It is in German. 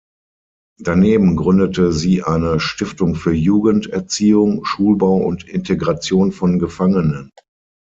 Daneben gründete sie eine Stiftung für Jugenderziehung, Schulbau und Integration von Gefangenen.